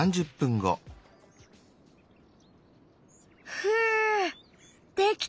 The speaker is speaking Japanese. ふうできた！